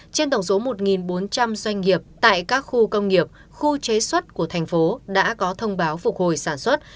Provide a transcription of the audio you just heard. trên tổng số một bốn trăm linh doanh nghiệp tại các khu công nghiệp khu chế xuất của thành phố đã có thông báo phục hồi sản xuất